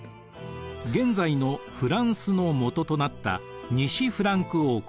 現在のフランスのもととなった西フランク王国。